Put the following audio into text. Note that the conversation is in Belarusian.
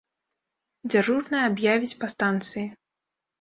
Дзяжурная аб'явіць па станцыі.